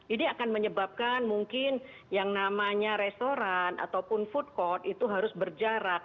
ini akan menyebabkan mungkin yang namanya restoran ataupun food court itu harus berjarak